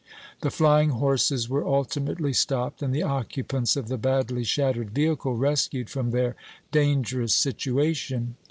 The flying horses were ultimately stopped and the occupants of the badly shattered vehicle rescued from their dangerous situation.